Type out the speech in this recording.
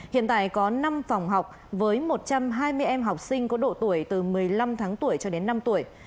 hiện tại có năm phòng học với một trăm hai mươi em học sinh có độ tuổi từ một mươi năm tháng tuổi cho đến năm tuổi